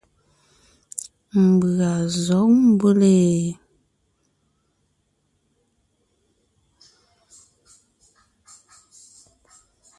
Mbʉ̀a zɔ̌g mbʉ́le ?